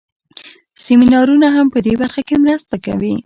سمینارونه هم په دې برخه کې مرسته کوي.